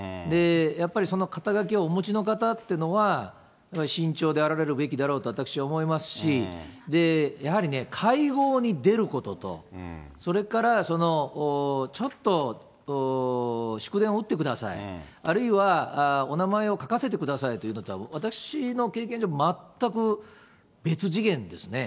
やっぱりその肩書をお持ちの方というのは、慎重であられるべきだろうと私は思いますし、やはりね、会合に出ることと、それからその、ちょっと祝電を打ってください、あるいは、お名前を書かせてくださいというのは、私の経験上、全く別次元ですね。